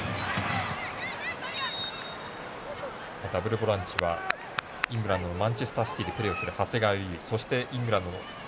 ダブルボランチはイングランドのマンチェスターシティでプレーをする熊谷。